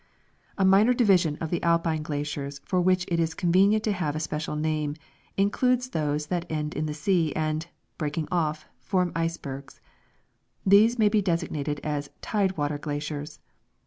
A minor division of Alpine glaciers for which it is convenient to have a special name includes those that end in the sea and, breaking off, form icebergs. These may be designated as " tide water glaciers."